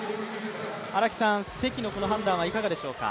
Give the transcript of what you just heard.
荒木さん、関のこの判断はいかがでしょうか。